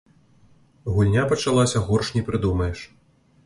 Гульня пачалася горш не прыдумаеш.